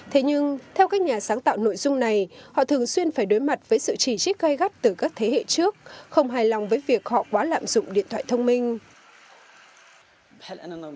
thế nhưng theo các nhà sáng tạo nội dung này họ thường xuyên phải đối mặt với sự chỉ trích gây gắt từ các thế hệ trước không hài lòng với việc họ quá lạm dụng điện thoại thông minh